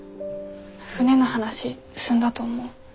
船の話すんだと思う。